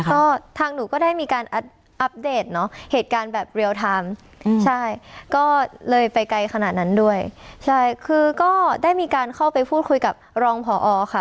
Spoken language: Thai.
ก็ทางหนูก็ได้มีการอัปเดตเนอะเหตุการณ์แบบเรียลไทม์ใช่ก็เลยไปไกลขนาดนั้นด้วยใช่คือก็ได้มีการเข้าไปพูดคุยกับรองพอค่ะ